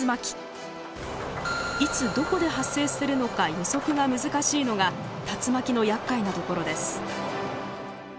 いつどこで発生するのか予測が難しいのが竜巻のやっかいなところです。